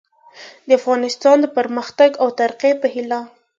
د افغانستان د پرمختګ او ترقي په هیله